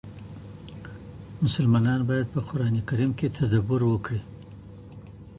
مسلمانان بايد په قران کريم کي تدبر وکړي.